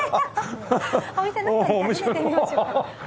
お店の人に尋ねてみましょうか。